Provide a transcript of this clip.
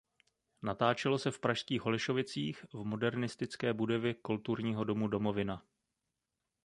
Natáčelo se v pražských Holešovicích v modernistické budově Kulturního domu Domovina.